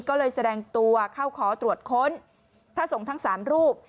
ก็เลยแสดงตัวเข้าขอตรวจค้นพระสงฆ์ทั้ง๓รูป